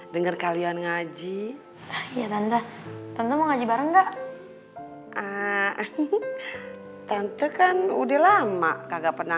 denger kalian ngaji iya tante tante mau ngaji bareng gak tante kan udah lama kagak pernah